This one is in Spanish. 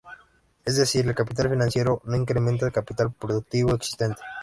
Es decir, el capital financiero no incrementa el capital productivo existente.